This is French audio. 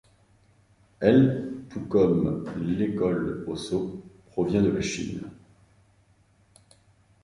L', tout comme l'école Hossō, provient de la Chine.